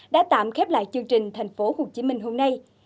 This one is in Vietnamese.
đã tạm khép lại chương trình thành phố hồ chí minh hôm nay